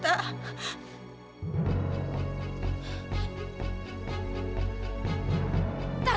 idea raphael nggak salah